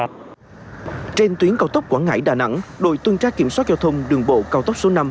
trên tuyến cao tốc quảng ngãi đà nẵng đội tuân tra kiểm soát giao thông đường bộ cao tốc số năm